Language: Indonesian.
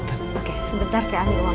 oke sebentar saya ambil uangnya ya